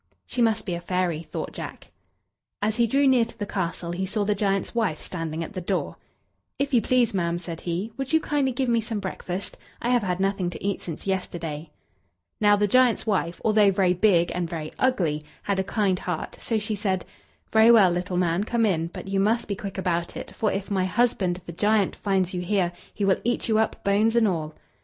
"She must be a fairy," thought Jack. As he drew near to the castle, he saw the giant's wife standing at the door. "If you please, ma'am," said he, "would you kindly give me some breakfast? I have had nothing to eat since yesterday." Now, the giant's wife, although very big and very ugly, had a kind heart, so she said: "Very well, little man, come in; but you must be quick about it, for if my husband, the giant, finds you here, he will eat you up, bones and all."